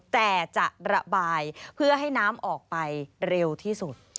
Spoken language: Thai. แต่จะระบายเพื่อให้น้ำออกไปเร็วที่สุด